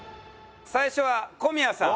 最初は小宮さん。